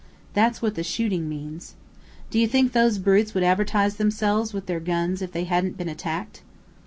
That's what the shooting means. Do you think those brutes would advertise themselves with their guns if they hadn't been attacked?"